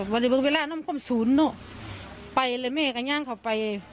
วันเดียวเวลาน้ำความสูญเนอะไปเลยเมฆกันยังเข้าไป